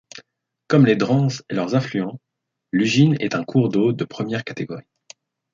Comme les dranses et leurs affluents, l'Ugine est un cours d'eau de première catégorie.